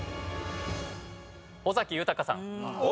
尾崎豊さん